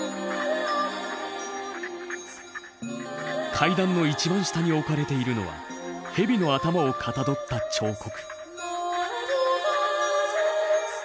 階段の一番下に置かれているのは蛇の頭をかたどった彫刻。